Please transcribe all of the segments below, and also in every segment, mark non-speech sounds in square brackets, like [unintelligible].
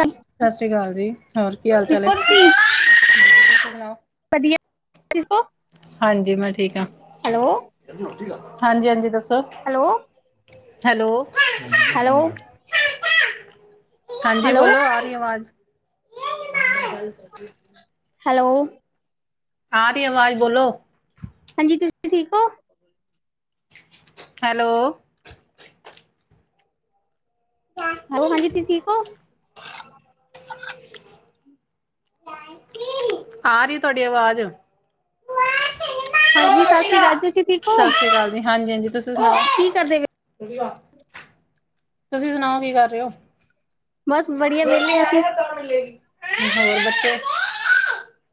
ਸਹੀ [inaudible] ਸਤਿ ਸ਼੍ਰੀ ਅਕਾਲ ਜੀ, ਹੋਰ ਕੀ ਹਾਲ ਚਾਲ ਹੈ। ਤੁਸੀਂ ਵਧੀਆ ਤੁਸੀਂ ਠੀਕ ਹੋ? ਹਾਂਜੀ ਮੈਂ ਠੀਕ ਹਾਂ, ਹੈਲੋ ਹਾਂਜੀ-ਹਾਂਜੀ ਦੱਸੋ? ਹੈਲੋ ਹੈਲੋ ਹੈਲੋ ਹਾਂਜੀ ਹੈਲੋ ਬੋਲੋ ਆ ਰੀ ਆਵਾਜ। ਹੈਲੋ ਆ ਰੀ ਆਵਾਜ਼ ਬੋਲੋ ਹਾਂਜੀ ਤੁਸੀ ਠੀਕ ੳ? ਹੈਲੋ ਹੈਲੋ, ਹਾਂਜੀ ਤੁਸੀ ਠੀਕ ਓ? ਆ ਰੀ ਏ ਤੁਆਡੀ ਆਵਾਜ। ਹਾਂਜੀ ਸ੍ਰੀ ਅਕਾਲ ਤੁਸੀਂ ਠੀਕ ਸਤਿ ਹੋ ਸ੍ਰੀ ਅਕਾਲ ਜੀ। ਹਾਂਜੀ-ਹਾਂਜੀ ਤੁਸੀ ਸੁਣਾਓ? ਕੀ ਕਰਦੇ? ਵਧਿਆ ਤੁਸੀ ਸੁਣਾਓ ਕੀ ਕਰ ਰਏ ੳ? ਬਸ ਵਧੀਆ ਹੋਰ ਵਿਹਲੇ ਅਸੀਂ ਬੱਚੇ?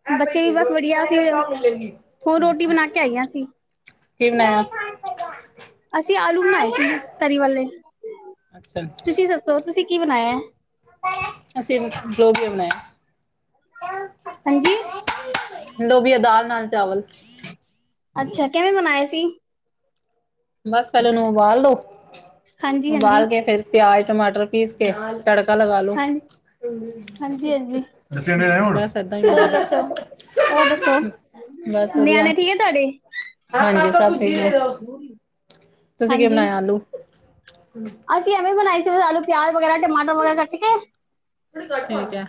ਹੈ ਪਈ ਬੱਚੇ ਵੀ ਏ, ਬਸ ਰੋਟੀ ਵਧੀਆ ਅਸੀਂ ਖਾਏਗਾ ਤਾਂ ਮਿਲੇਗੀ। ਹੁਣ ਰੋਟੀ ਬਣਾ ਕੇ ਆਈਆਂ ਸੀ। ਕੀ ਬਨਾਯਾ? ਅਸੀ ਆਲੂ ਬਣਾਏ ਸੀ ਤਰੀ ਵਾਲੇ, ਅੱਛਾ, ਤੁਸੀ ਦਸ ਸੋ ਤੁਸੀ ਕੀ ਬਨਾਏਆ? ਅਸੀ ੳ ਲੋਬਿਆ ਬਨਾਏਆ। ਹਂਜੀ ਲੋਬਿਆ ਦਾਲ ਨਾਲ ਚਾਵਲ। ਅੱਛਾ ਕੈਵੇਂ ਬਨਾਏਆ ਸੀ? ਬਸ ਪੈਲੇ ੳਨੂੰ ਉਬਾਲ ਲਵੋ, ਹਾਂਜੀ ਹਾਂਜੀ ਉਬਾਲ ਕੇ ਫੇਰ ਪਿਆਜ ਟਮਾਟਰ ਪੀਸ ਕੇ ਤੜਕਾ ਲਗਾ ਲੋੋ। ਹਾਂ ਹਾਂਜੀ ਹਾਂਜੀ ਦੱਸੇਆ ਤੇ ਏ ਹੁਨ, ਬਸ ਏਦਾਂ ਈ ਔਰ ਦੱਸੋ ਨਿਆਣੇ ਠੀਕ ਆ ਤੁਆਡੇ? ਹਾਂਜੀ ਸਭ ਠੀਕ ਨੇ। ਤੁਸੀ ਕਿ ਹਾਂਜੀ ਬਣਾਇਆ ਆਲੂ? ਅਸੀਂ ਐਵੇ ਬਨਾਈ ਸੀ ਆਲੂ ਪਿਆਜ ਵਗੈਰਾ ਟਮਾਟਰ ਵਗੈਰਾ ਕੱਟਕੇ ਠੀਕ ਏ।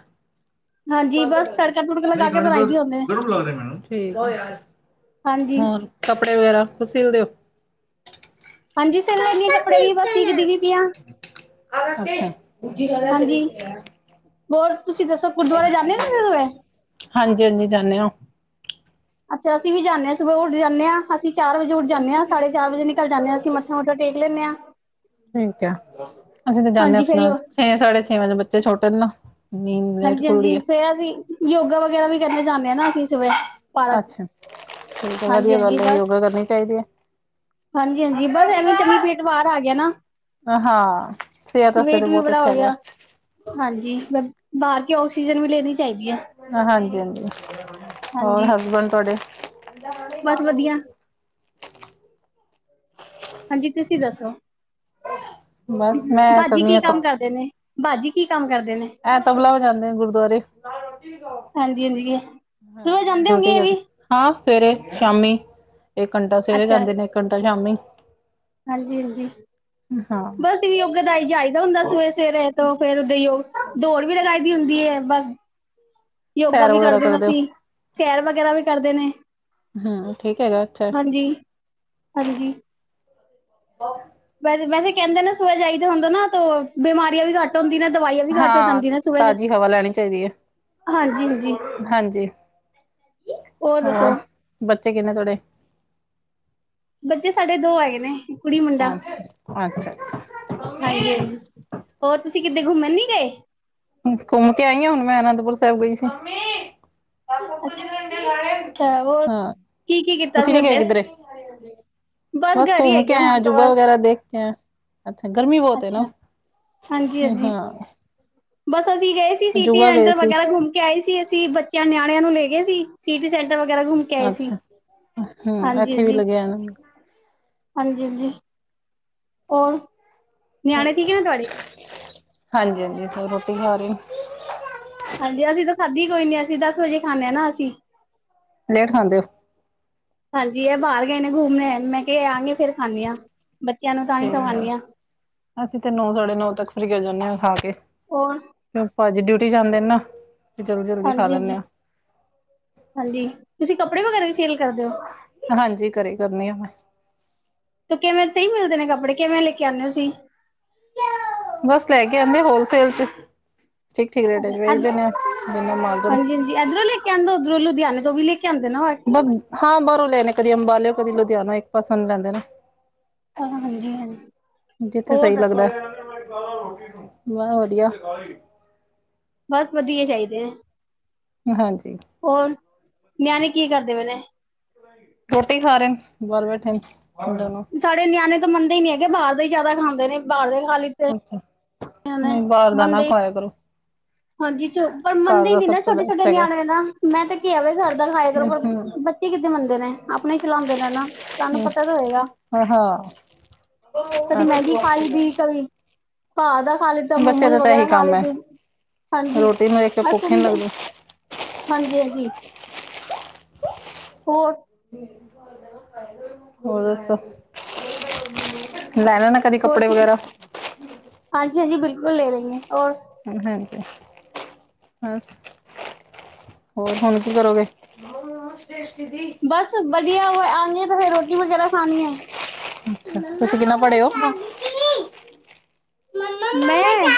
ਹਾਂਜੀ ਬਸ ਤੜਕਾ ਤੁੜਕਾ ਲਗਾ ਠੀਕ ਕੇ ਬਣਾਈ ਦੀ ਹੁੰਦੇ ਐ। ਹਾਂਜੀ ਹੋਰ ਕੱਪੜੇ ਵਗੈਰਾ ਖੁਦ ਸਿਲਦੇ ਓ? ਹਾਂਜੀ ਸਿਲ ਲੈਨੀ ਆ ਕੱਪੜੇ ਵੀ ਬਸ ਸਿਖਦੀ ਵੀ ਪੀ ਆਂ। ਹਾਂਜੀ ਅੱਛਾ। ਹੋਰ ਤੁਸੀ ਦੱਸੋ, ਗੁਰਦੁਆਰੇ ਜਾਂਦੇ ੳ ਤੁਸੀ ਸਵੇਰੇ? ਹਾਂਜੀ ਹਾਂਜੀ ਜਾਨੇ ਆ। ਅੱਛਾ ਅਸੀ ਵੀ ਜਾਨੇ ਆ, ਸੁਬਹ ਉਠ ਜਾਨੇ ਆ ਅਸੀ ਚਾਰ ਵਜੇ ਉੱਠ ਜਾਨੇ ਆ, ਸਾਢੇ ਚਾਰ ਵਜੇ ਨਿਕਲ ਜਾਣੇ ਆ ਅਸੀ ਮੱਥਾ ਮੁਥਾ ਟੇਕ ਲੈਨੇ ਆ। ਠੀਕ ਆ। ਅਸੀ ਤਾਂ ਜਾਂਦੇ ਅਪਨਾ ਯੋ ਛੇ- ਸਾਢੇ ਛੇ ਵਜੇ, ਬੱਚੇ ਛੋਟੇ ਨੇ ਨਾ। ਨੀਂਦ ਲੇਟ ਹਾਂਜੀ ਖੁੱਲਦੀ ਹਾਂਜੀ ਹੈ ਫੇਰ ਅਸੀ ਯੋਗਾ ਵਗੈਰਾ ਵੀ ਕਰਨ ਜਾਨੇ ਆ ਨਾ ਅਸੀ ਸੁਬਏ ਪਾਰਕ। ਅੱਛਾ ਠੀਕ ਆ ਹਾਂਜੀ ਵਧੀਆ ਹਾਂਜੀ ਗੱਲ ਏ, ਬਸ ਯੋਗਾ ਕਰਨੀ ਚਾਈਦੀ ਏ। ਹਾਂਜੀ ਹਾਂਜੀ ਬਸ ਐਵੇਂ ਟਮੀ ਪੇਟ ਬਾਹਰ ਆ ਗਿਆ ਨਾ। ਹ ਹਾਂ ਸੇਹਤ ਅਸਤੇ ਤੇ ਵੇਟ ਵੀ ਬੋਤ ਬੜਾ ਅੱਛਾ ਹੋ ਹੈਗਾ। ਗਿਆ ਹਾਂਜੀ ਬ ਬਾਹਰ ਕੀ ਆਕਸੀਜਨ ਵੀ ਲੈਣੀ ਚਾਈਦੀ ਐ। ਹਾਂਜੀ ਹਾਂਜੀ, ਹੋਰ ਹਾਂਜੀ ਹਸਬੈਂਡ ਤੁਹਾਡੇ? ਬਸ ਵਧੀਆ। ਹਾਂਜੀ ਤੁਸੀ ਦੱਸੋ? ਬ ਬਸ ਮੈਂ ਬਾਜੀ ਕਰਨੀ ਕੀ ਆ ਕੰਮ ਕ ਕਰਦੇ ਨੇ, ਬਾਜੀ ਕੀ ਕੰਮ ਕਰਦੇ ਨੇ। ਐ ਤਬਲਾ ਵਜਾਉਦੇ ਨੇ ਗੁਰਦੁਆਰੇ। ਹਾਂਜੀ -ਹਾਂਜੀ ਸੁਬਹ ਹਾਂ ਜਾਂਦੇ ਡਿਊਟੀ ਹੋਗੇਂ ਇਹ ਕਰਦੇ ਵੀ। ਹਾਂ, ਸਵੇਰੇ -ਸ਼ਾਮੀ ਇੱਕ ਘੰਟਾਂ ਸਵੇਰੇ ਅੱਛਾ ਜਾਂਦੇ ਨੇ ਇੱਕ ਘੰਟਾਂ ਸ਼ਾਮੀ। ਹਾਂਜੀ- ਹਾਂਜੀ, ਹਾਂ ਬਸ ਯੁੱਗ ਦਾ ਆਈ ਚਾਈਦਾ ਹੁੰਦਾ ਸਵੇਰੇ -ਸਵੇਰੇ ਤੋਂ ਫੇਰ ਦਈਓ ਦੌੜ ਵੀ ਲਗਾਈ ਦੀ ਹੁੰਦੀ ਏ, ਬਸ ਯੋਗਾ ਸੈਰ ਵੀ ਵਗੈਰਾ ਕਰਦੇ ਆ ਹੋ ਅਸੀਂ, ਸ਼ੈਰ ਵਗ਼ੈਰਾ ਵੀ ਕਰਦੇਂ ਨੇ। ਹਾ ਠੀਕ ਹੈਗਾ ਇੱਥੇ। ਹਾਂਜੀ-ਹਾਂਜੀ। ਵੈਸ- ਵੈਸੇ ਕਹਿੰਦੇ ਨੇ, ਸੁਬੇ ਜਾਈਦਾ ਹੁੰਦਾ ਨਾ ਤੋਂ ਬਿਮਾਰੀਆਂ ਵੀ ਘੱਟ ਹੁੰਦੀ ਨੇ ਦਵਾਈਆਂ ਵੀ ਘੱਟ ਹੋ ਹਾਂ, ਜਾਂਦੀ ਨੇ ਸੁਬਹ ਤਾਜ਼ੀ ਹਵਾ ਲੈਂਣੀ ਚਾਹੀਦੀ ਆ, ਹਾਂਜੀ ਹਾਂਜੀ ਹਾਂਜੀ। ਓਰ ਦੱਸੋ। ਹੋਰ ਬੱਚੇ ਕਿਨੇ ਤੁਹਾਡੇ। ਬੱਚੇ ਸਾਡੇ ਦੋ ਹੈਗੇ ਨੇ, ਕੁੜੀ ਮੁੰਡਾ ਅੱਛਾ ਅੱਛਾ ਅੱਛਾ ਹਾਂਜੀ -ਹਾਂਜੀ। ਹੋਰ, ਤੁਸੀਂ ਕਿੱਦੇ ਘੁੰਮਣ ਨੀ ਗਏ। ਘੁੰਮ ਕੇ ਆਈ ਆ, ਹੁਣ ਮੈਂ ਅਨੰਦਪੁਰ ਸਾਹਿਬ ਗਈ ਸੀ। ਅੱਛਾ ਹੋਰ ਹਾਂ, ਕੀ ਕੀ ਕੀਤਾ ਤੁਸੀਂ ਸੀ ਨੀ ਗਏ ਓਦੇ ਕਿੱਧਰੇ। ਬਸ ਘਰ ਹੀ ਘੁੰਮ ਹੈਗੇ ਕੇ ਆ ਆਏ ਐ, ਹੁਣ ਤੋਂ ਅਜੂਬਾ ਬਸ ਵਗੈਰਾ ਦੇਖਿਆਂ ਐ। ਅੱਛਾ, ਗਰਮੀਂ ਬਹੁਤ ਐ ਨਾ, ਅੱਛਾ ਹਾਂਜੀ ਹਾਂਜੀ ਹਾਂ। ਬਸ ਅਸੀਂ ਗਏ ਸੀ, ਸੀਟੀ ਅਜੂਬਾ ਗਏ ਰੈਂਟਰ ਸੀ ਵਗ਼ੈਰਾ ਗੂੰਮ ਕੇ ਆਏ ਸੀ ਅਸੀਂ। ਕਿਆ ਨਿਆਣਿਆਂ ਨੂੰ ਲੇਂਗੇ ਸੀ ਸੀਟੀ ਸੈਂਟ ਵਗ਼ੈਰਾ ਗੁੰਮ ਅੱਛਾ, ਹੂੰ ਐਥੇ ਵੀ ਹਾਂਜੀ ਲੱਗਿਆ ਐ ਨਾ। ਹਾਂਜੀ- ਹਾਂਜੀ, ਔਰ ਹਾਂਜੀ- ਹਾਂਜੀ, ਸੋ ਰੋਟੀ ਖਾ ਰੇ ਓ। ਹਾਂਜੀ, ਅਸੀਂ ਤਾਂ ਖਾਂਦੀ ਕੋਈ ਨੀ ਅਸੀਂ ਦਸ ਵਜੇ ਖਾਂਨੇ ਆ ਨਾ ਅਸੀਂ। ਲੇਟ ਖਾਂਦੇ ਔ। ਹਾਂਜੀ, ਏ ਬਾਹਰ ਗਏ ਨੇ ਗੂੰਮਣੇ, ਮੈਂ ਕਿਹਾਂ ਏਂ ਆਣਗੇ ਫੇਰ ਖਾਨੇ ਆ। ਬੱਚਿਆਂ ਨੂੰ ਤਾਂ ਹੀ ਠੀਕ ਆ, ਖਵਾਉਂਦੀ ਹਾਂ ਅਸੀਂ ਤੇ ਨੌ- ਸਾਢੇ ਨੌ ਤੱਕ ਫਰੀ ਹੋ ਜਾਂਨੇ ਆ ਖਾ ਕੇ। ਹੋਰ। ਤੇ ਓ ਭਾਜੀ ਡਿਊਟੀ ਜਾਂਦੇ ਨੇ ਨਾ। ਜਲਦੀ-ਜਲਦੀ ਖਾ ਹਾਂਜੀ- ਲੈਂਦੇ ਹਾਂਜੀ ਹਾਂ। -ਹਾਂਜੀ, ਤੁਸੀਂ ਕੱਪੜੇ ਵਗ਼ੈਰਾ ਵੀ ਸੇਲ ਕਰਦੇਂ ਔ। ਹਾਂਜੀ, ਕਰੇ ਕਰਨੇ ਆ ਮੈਂ। ਤੋਂ ਕਿਵੇਂ ਸਹੀ ਮਿਲਦੇ ਨੇ ਕੱਪੜੇ, ਕਿਵੇਂ ਲੇ ਕੇ ਆਨੇ ਤੁਸੀਂ। ਬਸ ਲੈ ਕੇ ਆਉਂਦੇ ਹੋਲਸੇਲ ਚੋ। ਠੀਕ -ਠੀਕ ਰੇਟਾਂ ਚ ਵੇਚਦੇ ਨੇ, ਜਿੰਨੇਂ ਮਾਰਜਨ। ਏਧਰੋਂ ਲੈ ਕੇ ਆਂਦੇ, ਉਧਰੋਂ ਲੁਧਿਆਣੇ ਤੋਂ ਵੀ ਲੇ ਕੇ ਆਂਦੇ ਨਾ ਹੋਏ। ਹਾਂ, ਬਾਹਰੋਂ ਲੈਣੇ, ਕਦੀ ਅੰਬਾਲਿਓ ਕਦੀ ਲੁਧਿਆਣਾ, ਇੱਕ ਪਾਸੇ ਨੂੰ ਲੈਂਦੇ ਨੇ। ਹਾਂਜੀ ਹਾਂਜੀ ਜਿੱਥੇ ਹੋਰ ਸਹੀ ਦੱਸੋ ਲੱਗਦਾ। ਬਹ ਵਧੀਆਂ। ਬਸ ਵਧੀਆਂ ਚਾਹੀਦੇ ਐ। ਹਾਂਜੀ। ਹੋਰ, ਨਿਆਣੇ ਕੀ ਕਰਦੇਂ ਪਏ ਨੇ। ਰੋਟੀ ਖਾ ਰੇ ਨੇ, ਬਾਹਰ ਬੈਠੇ ਨੇ ਦੋਨੋਂ। ਸਾਡੇ ਨਿਆਣੇ ਤਾਂ ਮੰਨਦੇ ਈ ਨੀ ਹੈਗੇ, ਬਾਹਰ ਦੇ ਹੀ ਜ਼ਿਆਦਾ ਖਾਂਦੇ ਨੇ, ਬਾਹਰ ਦੇ ਖਾਲੀ ਅੱਛਾ, ਨਈ ਬਾਹਰ ਦਾ ਨਾ ਖਵਾਇਆ ਕਰੋਂ। ਹਾਂਜੀ ਚ ਪਰ ਮੰਨਦੇ ਈ ਨਾ ਤੋਂ ਛੋਟੇ -ਛੋਟੇ ਬੈਸਟ ਹੈਗਾ। ਨਿਆਣੇ ਨਾ, ਮੈਂ ਤਾਂ ਕਿਹਾ ਆਵੇ ਘਰ ਦਾ ਖਾਇਆ ਕਰੋ ਹੂੰ-ਹੂੰ, ਪਰ ਕਿਥੇ ਮੰਨਦੇ ਨੇ, ਆਪਣੇ ਈ ਚਲਾਉਂਦੇ ਨੇ ਨਾ। ਤੁਹਾਨੂੰ ਹੂੰ। ਪਤਾ ਤਾਂ ਹੈਏਗਾ, ਹਾਂ ਕਦੇ ਮੈਗੀ ਖਾ ਲਈ ਦੀ ਕਦੀ। ਪਾਦਾ ਖਾ ਲਿੱਤਾ, ਬੱਚੇ ਮੋਮੋਜ਼ ਦਾ ਤਾਂ ਇਹੀ ਵਗੈਰਾ ਖਾ ਕੰਮ ਹੈ ਲਿਤੇ ਰੋਟੀ ਦੇਖ ਕੇ ਭੁੱਖੇ ਨੀ ਲੱਗਦੀ। ਹਾਂਜੀ ਹਾਂਜੀ। ਹੋਰ। [unintelligible] ਹੋਰ ਦੱਸੋ, ਲੈ ਲੈਣਾ ਕਦੀ ਹੋਰ ਕੱਪੜੇ ਕੀ, ਵਗੈਰਾ ਹਾਂਜੀ, ਹਾਂਜੀ ਬਿਲਕੁਲ ਲੈ ਰਈ ਏ, ਹੋਰ। ਹ ਹਾਂਜੀ ਹਸ। ਹੋਰ ਹੁਣ ਕੀ ਕਰੋਗੇ? ਬਸ ਵਧੀਆ ਵ ਆਣੀ ਆ ਫੇਰ ਰੋਟੀ ਵਗੈਰਾ ਖਾਣੀ ਆ। ਅੱਛਾ, ਤੁਸੀਂ ਕਿੰਨਾ ਪੜ੍ਹੇ ਓ? [inaudible] ਮੈਂ,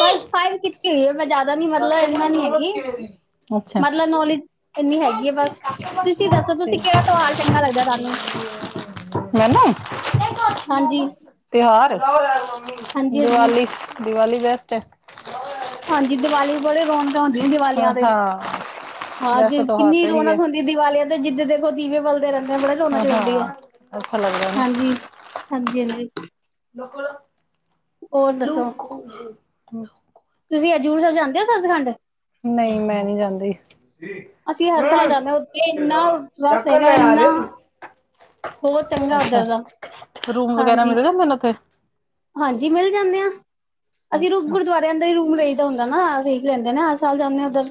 ਬਸ ਫਾਈਵ ਕੀ ਤੀ ਹੋਈ ਏ ਮੈਂ ਜ਼ਿਆਦਾ ਨੀ ਮਤਲਬ ਇੰਨਾ ਨੀ ਹੈਗੀ, ਅੱਛਾ ਮਤਲਬ ਨੌਲੇਜ ਇੰਨੀ ਹੈਗੀ ਏ ਬਸ। ਤੁਸੀਂ ਦੱਸੋ ਤੁਸੀਂ ਕਿਹੜਾ ਤਿਉਹਾਰ ਚੰਗਾ ਲੱਗਦਾ ਤੁਹਾਨੂੰ? ਮੈਨੂੰ ਹਾਂਜੀ ਤਿਉਹਾਰ, ਹਾਂਜੀ ਹਾਂਜੀ ਦੀਵਾਲੀ, ਦੀਵਾਲੀ ਬੈਸਟ ਐ। ਹਾਂਜੀ ਦੀਵਾਲੀ ਬੜੇ ਰੌਣਕਾਂ ਹੁੰਦੀਆਂ ਹਾਂ ਦੀਵਾਲੀਆਂ 'ਤੇ ਹਾਂ ਹਾਂ ਜੇ ਵੈਸੇ ਤਾਂ ਹੋਤ ਕਿੰਨੀ ਹੀ ਹੈ ਰੌਣਕ ਹੁੰ ਦੀ ਦੀਵਾਲੀਆਂ 'ਤੇ ਜਿੱਦ ਦੇਖੋ ਦੀਵੇ ਬਲਦੇ ਰਹਿੰਦੇ ਆ ਬੜੇ ਰੋਣਕ ਲੱਗਦੀ ਐ, ਹਾਂ ਅੱਛਾ ਲੱਗਦਾ ਨਾ ਹਾਂਜੀ। ਹਾਂਜੀ-ਹਾਂਜੀ। ਲੋਕਲ, ਦੱਸੋ ਲੋਕਲ। ਤੁਸੀਂ ਹਜੂਰ ਸਾਇਬ ਜਾਂਦੇ ਓ ਸਚਖੰਡ? ਨਈ ਮੈਂ ਨੀ ਜਾਂਦੀ। ਅਸੀਂ ਹਰ ਸਾਲ ਹਮ ਜਾਂਨੇ ਆ, ਉੱਥੇ ਇੰਨਾ ਰਸ ਡਾਕਣ ਨਾ ਹੈਗਾ ਯਾਰ ਇੰਨਾ ਬੋਂ ਚੰਗਾ ਉਧਰ ਦਾ, ਹਾਂਜੀ। ਦੱਸੋ ਮੈਨੂ ਫਿਰ ਹਾਂਜੀ ਮਿਲ ਜਾਂਨੇ ਆ। ਅਸੀਂ ਰੁ ਅੱਛਾ ਗੁਰਦੁਵਾਰਿਆਂ ਦਾ ਈ ਰੂਮ ਲਈਦਾ ਹੁੰਦਾ ਨਾ, ਸੀਕ ਲੈਂਦੇ ਆ ਨਾ, ਹਰ ਸਾਲ ਜਾਂਨੇ ਆ ਉੱਧਰ।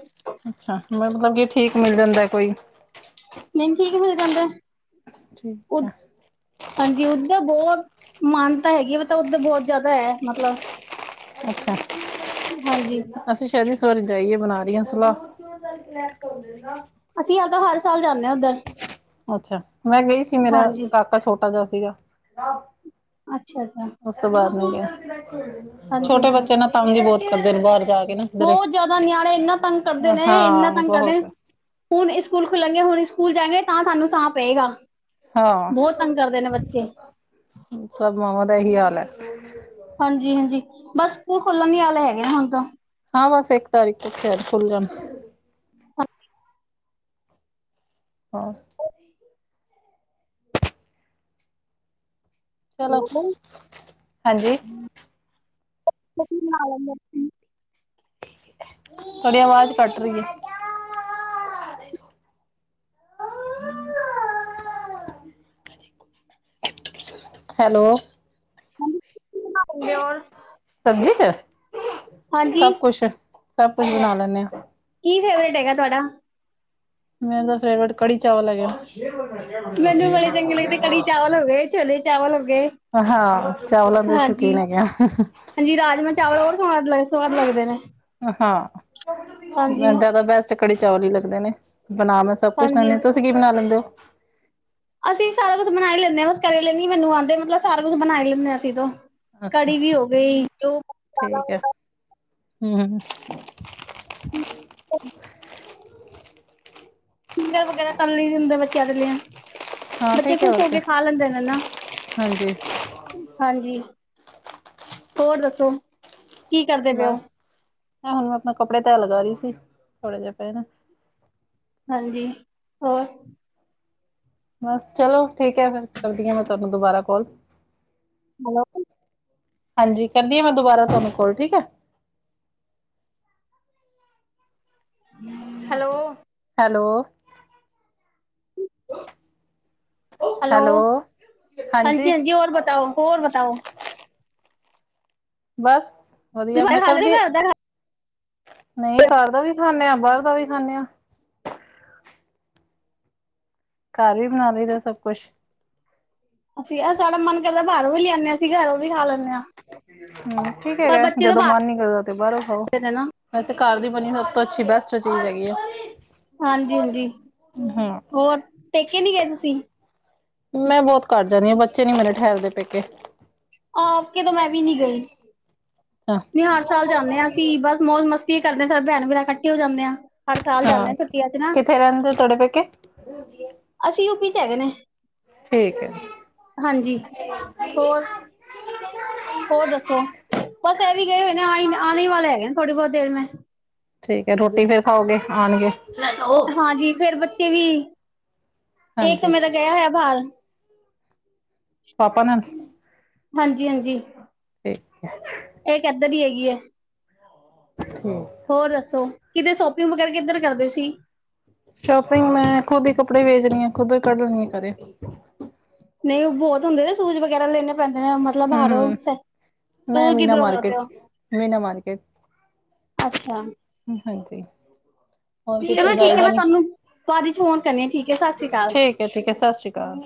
ਅੱਛਾ ਮਤਲਬ ਕਿ ਠੀਕ ਮਿਲ ਜਾਂਦਾ ਕੋਈ। ਨਈ ਠੀਕ ਮਿਲ ਜਾਂਦਾ। ਠੀਕ ਉਧ ਆ। ਹਾਂਜੀ ਉੱਧਰ ਬਹੁਤ ਮਾਨਤਾ ਹੈਗੀ ਆ ਮਤ ਉੱਧਰ ਬਹੁਤ ਜ਼ਿਆਦਾ ਐ ਮਤਲਬ। ਅੱਛਾ, ਹਾਂਜੀ ਅਸੀਂ ਸ਼ਇਦ ਇਸ ਵਾਰ ਜਾਈਏ ਬਣਾ ਰੀਆਂ ਸਲਾਹ। ਅਸੀਂ ਆਪਦਾ ਹਰ ਸਾਲ ਜਾਂਨੇ ਆ ਉੱਧਰ। ਅੱਛਾ ਮੈਂ ਗਈ ਸੀ ਮੇਰਾ ਹਾਂਜੀ ਕਾਕਾ ਛੋਟਾ ਜਾ ਸੀਗਾ। ਅੱਛਾ ਅੱਛਾ। ਉਸ ਤੋਂ ਬਾਅਦ ਨੀ ਗਏ, ਹਾਂਜੀ ਛੋਟੇ ਹਾਂਜੀ ਬੱਚੇ ਨਾ ਤੰਗ ਈ ਬਹੁਤ ਕਰਦੇ ਨੇ ਬਾਹਰ ਜਾ ਕੇ ਨਾ। ਕਿਧਰੇ ਬਹੁਤ ਜ਼ਿਆਦਾ ਨਿਆਣੇ ਇੰਨਾ ਤੰਗ ਕਰਦੇ ਨੇ, ਇੰਨਾ ਹਾਂ ਤੰਗ ਕਰਦੇ ਨੇ ਬਹੁਤ ਹੁਣ ਇਸਕੂਲ ਖੁੱਲਣਗੇ, ਹੁਣੀ ਸਕੂਲ ਜਾਏਗੇ ਤਾਂ ਸਾਨੂੰ ਸਾਹ ਪੇਗਾ। ਹਾਂ, ਸਭ ਮਾਂਵਾਂ ਦਾ ਏ ਹੀ ਹਾਲ ਐ। ਹਾਂਜੀ ਹਾਂਜੀ ਬਸ ਸਕੂਲ ਖੁਲਣ ਦੀ ਹੱਲ ਹੈਗੇ ਨੇ ਹੁਣ ਤਾਂ। ਹਾਂ ਬਸ ਇੱਕ ਤਾਰੀਖ ਤੋਂ ਖੈਰ ਖੁੱਲ ਜਾਣ। ਹਾਂਜੀ। ਹ [unintelligible] ਚਲੋ ਬੋਲਦਾ ਨੀ, ਹਾਂਜੀ ਹਾਂ ਫੇਰ ਕੀ ਬਣਾ ਲੈਨੇ ਓ ਤੁਸੀਂ? ਥੋਡੀ ਆਵਾਜ਼ ਕੱਟ ਰੀ ਏ। ਹੂੰ। ਹੈਲੋ। ਹਾਂਜੀ ਕੀ ਬਣਾ ਲੈਦੇ ਓ ਹੋਰ? ਸਬਜ਼ੀ 'ਚ ਹਾਂਜੀ ਸਭ ਕੁਛ-ਸਭ ਕੁਛ ਬਣਾ ਲੈਂਨੇ ਆ। ਕੀ ਫੇਵਰੇਟ ਹੈਗਾ ਤੁਹਾਡਾ? ਮੇਰਾ ਤਾ ਫੇਵਰੇਟ ਕੜੀ-ਚਾਵਲ ਹੈਗੇ ਆ। ਛੋਲੇ-ਚਾਵਲ ਹੋਗੇ। ਚਾਵਲਾਂ ਦੇ ਸ਼ੌਕੀਨ ਹੈਗੇ ਆ ਹਾਂਜੀ-ਹਾਂਜੀ। ਰਾਜਮਾਂਹ ਚਾਵਲ ਹੋਰ ਸੁਵਾਦ ਲਗ ਸੁਵਾਦ ਲੱਗਦੇ ਨੇ। ਹਾਂ ਹਾਂਜੀ, ਜ਼ਿਆਦਾ ਬੈਸਟ ਕੜੀ ਚਾਵਲ ਈ ਲੱਗਦੇ ਨੇ, ਬਣਾ ਮੈਂ ਸਭ ਕੁਛ ਲੈਂਨੀ ਹਾਂਜੀ। ਆ, ਤੁਸੀਂ ਸੀ ਕੀ ਬਣਾ ਲੈਂਦੇ ਓ? ਅਸੀਂ ਸਾਰਾ ਕੁਛ ਬਣਾ ਈ ਲੈਂਨੇ ਆ, ਬਸ ਕਰੇਲੇ ਨੀ ਮੈਨੂੰ ਆਂਦੇ, ਮਤਲਬ ਸਾਰਾ ਕੁਛ ਬਣਾ ਈ ਲੈਂਦੇ ਅਸੀਂ ਤੋ ਅੱਛਾ ਕੜੀ ਵੀ ਹੋ ਗਈ ਜੋ ਠੀਕ ਹੈ [unintelligible] ਹਮ। [unintelligible] [unintelligible] ਵਗੈਰਾ ਤ ਲਈ ਹੁਦੈ ਬੱਚਿਆਂ ਦੇ ਲਈ ਹਾਂ ਬੱਚੇ ਠੀਕ ਹੈ ਖ਼ੁਸ਼ ਹੋਰ ਹੋ ਕਿਆ ਕੇ ਖਾ ਲੈਂਦੇ ਨੇ ਨਾ। ਹਾਂਜੀ ਹਾਂਜੀ। ਹੋਰ ਦੱਸੋ? ਕੀ ਕਰਦੇ ਪਏ ਹੋ, ਬਸ ਹੁਣ ਮੈਂ ਆਪਣਾ ਕੱਪੜੇ ਧੈ ਲਗਾ ਰਹੀ ਸੀ ਥੋੜੇ ਜਿਹੇ ਪਏ ਨੇ। ਹਾਂਜੀ। ਹੋਰ ਬਸ ਚਲੋ ਠੀਕ ਐ, ਫਿਰ ਕਰਦੀ ਆ ਮੈਂ ਤੁਹਾਨੂੰ ਦੁਬਾਰਾ ਕਾਲ। [unintelligible] ਹਾਂਜੀ, ਕਰਦੀ ਆ ਮੈਂ ਦੁਬਾਰਾ ਤੁਹਾਨੂੰ ਕੋਲ ਠੀਕ ਐ। ਹੈਲੋ। ਹੈਲੋ। ਹੈਲੋ, ਹਾਂਜੀ ਹਾਂਜੀ-ਹਾਂਜੀ ਹੋਰ ਬਤਾਓ, ਹੋਰ ਬਤਾਓ? ਬਸ ਵਧੀਆ। ਤੁਸੀਂ ਮੈਂ ਖਾ ਲੈਂਦੇ ਕਰਦੀ ਘਰ ਦਾ ਨਈ ਘਰ ਦਾ ਵੀ ਖਾਂਨੇ ਆਂ, ਬਾਹਰ ਦਾ ਵੀ ਖਾਂਨੇ ਆ। ਘਰ ਈ ਬਣਾ ਲਈ ਦਾ ਸਭ ਕੁਛ? ਅਸੀਂ ਆਹ ਸਾਡਾ ਮਨ ਕਰਦਾ ਬਾਹਰੋਂ ਵੀ ਲਿਆਉਨੇ ਆ, ਅਸੀਂ ਘਰੋਂ ਵੀ ਖਾ ਲੈਂਨੇ ਆ। ਹਮ। ਠੀਕ ਪਰ ਹੈਗਾ, ਬੱਚੇ ਤਾਂ ਜਦੋਂ ਮਨ ਬਾਹਰ ਨੀ ਕਰਦਾ ਤੇ ਬਾਹਰੋਂ ਖਾਓ। ਨੇ ਨਾ ਵੈਸੇ ਘਰ ਦੀ ਬਣੀ ਸਭ ਤੋਂ ਅੱਛੀ ਬੈਸਟ ਚੀਜ਼ ਹੈਗੀ ਐਂ। ਹਾਂਜੀ-ਹਾਂਜੀ। ਹੋਰ ਪੇਕੇ ਨੀ ਗਏ ਤੁਸੀਂ? ਮੈਂ ਬਹੁਤ ਘੱਟ ਜਾਂਨੀ ਆ, ਬੱਚੇ ਨੀ ਮੇਰੇ ਠਹਿਰਦੇ ਪੇਕੇ। ਐਤਕੀ ਤਾਂ ਮੈਂ ਵੀ ਨੀ ਗਈ, ਹਾਂ ਨਈ ਹਰ ਸਾਲ ਜਾਂਨੇ ਆ ਅਸੀ ਬਸ ਮੌਜ ਮਸਤੀ ਈ ਕਰਦੇ ਆ, ਸਾਰੇ ਭੈਣ-ਭਰਾ ਇਕੱਠੇ ਹੋ ਜਾਂਨੇ ਆਂ। ਹਰ ਸਾਲ ਹਾਂ ਜਾਂਨੇ ਆ ਛੁੱਟੀਆਂ ਚ ਨਾ, ਕਿੱਥੇ ਰਹਿੰਦੇ ਤੁਹਾਡੇ ਪੇਕੇ? ਅਸੀਂ ਯੂਪੀ ਚ ਹੈਗੇ ਨੇ। ਠੀਕ ਐ। ਹਾਂਜੀ। ਹੋਰ ਹੋਰ ਦੱਸੋ? ਬਸ ਇਹ ਵੀ ਗਏ ਹੋਏ ਨੇ, ਆਈ ਆਣੇ ਵਾਲੇ ਹੈਗੇ ਨੇ ਥੋੜ੍ਹੀ ਬਹੁਤ ਦੇਰ ਮੇ। ਠੀਕ ਐ। ਰੋਟੀ ਫੇਰ ਖਾਓਗੇ ਆਣਗੇ? ਹਾਂਜੀ, ਫਿਰ ਬੱਚੇ ਵੀ ਏਕਮ ਹਾਂਜੀ ਮੇਰਾ ਗਿਆ ਹੋਇਆ ਬਾਹਰ ਪਾਪਾ ਨਾਲ ਹਾਂਜੀ, ਹਾਂਜੀ ਠੀਕ ਹੇ ਇਹ ਕਿੱਧਰ ਈ ਹੈਗੀ ਐ। ਠੀਕ ਹੋਰ ਦੱਸੋ ਕਿਤੇ ਸ਼ੋਪਿੰਗ ਵਗੈਰਾ ਕਿੱਧਰ ਕਰਦੇ ਸੀ। ਸ਼ੋਪਿੰਗ ਮੈਂ ਖੁਦ ਈ ਕੱਪੜੇ ਵੇਚਣੀ ਅ ਆ, ਖੁਦੋਂ ਈ ਕੱਢਣੀ ਐ ਘਰੇ ਨਹੀਂ ਉਹ ਬਹੁਤ ਹੁੰਦੇ ਨਾ ਸੂਜ ਵਗੈਰਾ ਲੈਣੇ ਪੈਂਦੇ ਨੇ ਮਤਲਬ ਹਮ ਬਾਹਰੋਂ ਹਮ ਸੇ, ਮੈਂ ਤੂੰ ਮੀਨਾ ਕਿੱਧਰੋਂ ਕਰਦੇ ਮਾਰਕੀਟ ਔ। ਮੀਨਾ ਮਾਰਕਟ ਅੱਛਾ ਹਾਂਜੀ ਹੋਰ ਕਿਤੇ ਚਲੋ ਠੀਕ ਐ ਜਾਈਦਾ ਮੈਂ ਨੀ ਤੁਹਾਨੂੰ ਬਾਦ ਚ ਫੋਨ ਕਰਨੀ ਅ, ਠੀਕ ਐ ਸਸਿ ਸੀਕਾਲ। ਠੀਕ ਐ ਸਸਿਰੀ ਕਾਲ।